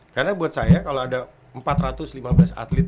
karena buat saya kalau ada empat ratus lima belas atlet